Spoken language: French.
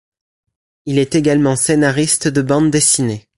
Il est également scénariste de bande dessinée.